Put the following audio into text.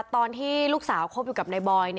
ตอนที่ลูกสาวคบอยู่กับนายบอย